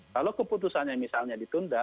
kalau keputusan yang misalnya ditunda